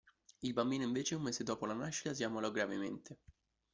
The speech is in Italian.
Il bambino invece, un mese dopo la nascita, si ammalò gravemente.